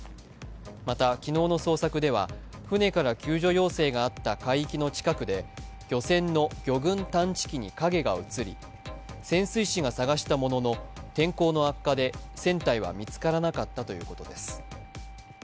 また昨日の捜索では船から救助要請があった海域の近くで漁船の魚群探知機に影が映り、潜水士が探したものの天候の悪化で船体は見つからなかったということです。